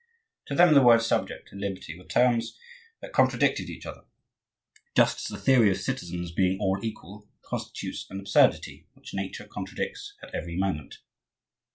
To them the words "subject" and "liberty" were terms that contradicted each other; just as the theory of citizens being all equal constitutes an absurdity which nature contradicts at every moment.